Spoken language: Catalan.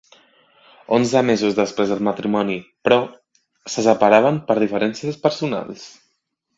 Onze mesos després del matrimoni, però, se separaven per diferències personals.